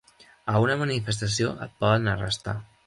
A una manifestació et poden arrestar.